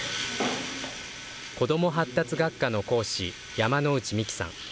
子ども発達学科の講師、山之内幹さん。